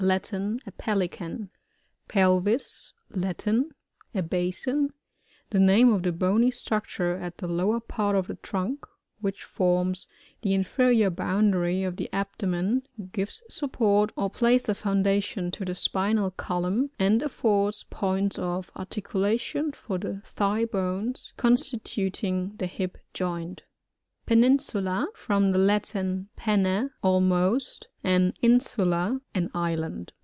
— Latin. A Pelican. Pelvis. — Latin. A basin. The name of the bony structure at the lower part of the trunk, which forms the inferior boundary of the abdomen, gives supporter place of foundation to the spinal column^ and affords points of articulation for the thigh bones, constituting the hip joint Peninsula. — From the Latin, pene^ almost, and insula^ an island.